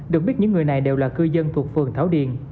được biết những người này đều là cư dân thuộc phường thảo điền